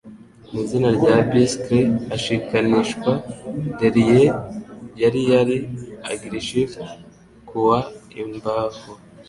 Ni izina rya bicycle ashikanishwa Raleigh yari yari A Gearshift ku wa imbaho